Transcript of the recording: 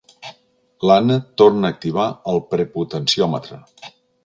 L'Anna torna a activar el prepotenciòmetre.